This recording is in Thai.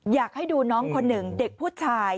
อยากให้ดูน้องคนหนึ่งเด็กผู้ชาย